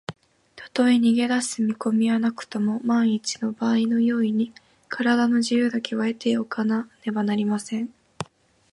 たとえ逃げだす見こみはなくとも、まんいちのばあいの用意に、からだの自由だけは得ておかねばなりません。